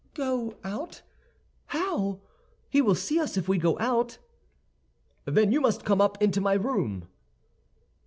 "Go out? How? He will see us if we go out." "Then you must come up into my room."